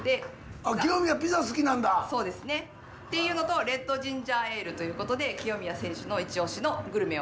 っていうのとレッドジンジャーエールということで清宮選手のイチオシのグルメを。